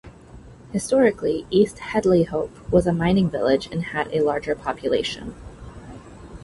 Historically, East Hedleyhope was a mining village and had a larger population.